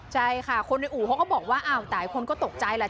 ใช่ค่ะคนในอู่เขาก็บอกว่าแต่คนก็ตกใจแหละ